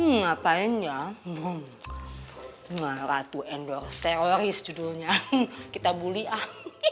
ngapain ya ngomong ratu endorse teroris judulnya kita buli ah